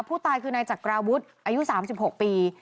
ผู้ตายคือนายจักราวุฒิอายุ๓๖ปี